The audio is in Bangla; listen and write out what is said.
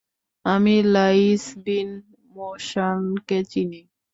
আমি লাঈছ বিন মোশানকে চিনি।